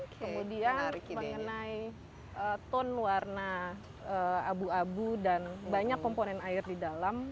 kemudian mengenai tone warna abu abu dan banyak komponen air di dalam